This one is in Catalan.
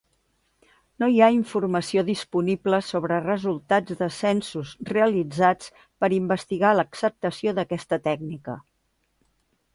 No hi ha informació disponible sobre resultats de censos realitzats per investigar l'acceptació d'aquesta tècnica.